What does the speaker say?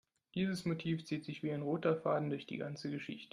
Dieses Motiv zieht sich wie ein roter Faden durch die ganze Geschichte.